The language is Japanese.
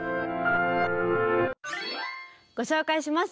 ご紹介します。